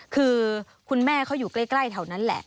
คือคุณแม่เขาอยู่ใกล้แถวนั้นแหละ